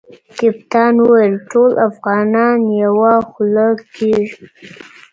کپتان وویل ټول افغانان یوه خوله کیږي.